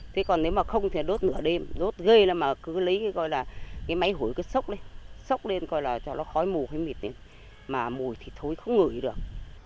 thế còn nếu mà không thì đốt nửa đêm đốt ghê lắm mà cứ lấy cái coi là cái máy hủy cứ xốc lên xốc lên coi là cho nó khói mù hay mịt lên mà mùi thì thối không ngửi được